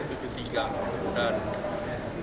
beda berbasis kepada emisi